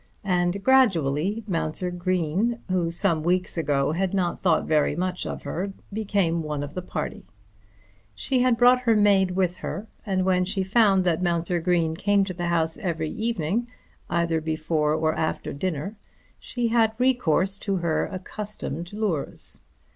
And gradually Mounser Green, who some weeks ago had not thought very much of her, became one of the party. She had brought her maid with her; and when she found that Mounser Green came to the house every evening, either before or after dinner, she had recourse to her accustomed lures.